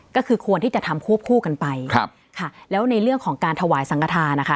ก็คือควรที่จะทำควบคู่กันไปครับค่ะแล้วในเรื่องของการถวายสังกฐานนะคะ